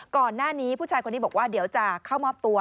ก่อนหน้านี้ผู้ชายคนนี้บอกว่าเดี๋ยวจะเข้ามอบตัว